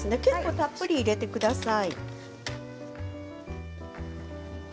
たっぷり入れてください。